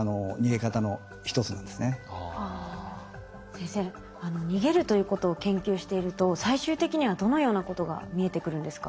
先生逃げるということを研究していると最終的にはどのようなことが見えてくるんですか？